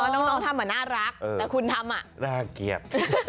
น้องทำน่ารักแต่คุณทำน่าเกลียด